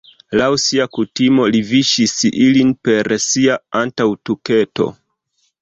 Laŭ sia kutimo li viŝis ilin per sia antaŭtuketo.